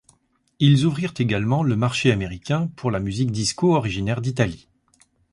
Ils ouvrirent également le marché américain pour la musique disco originaire d'Italie.